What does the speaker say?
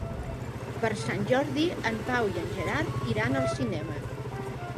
Per Sant Jordi en Pau i en Gerard iran al cinema.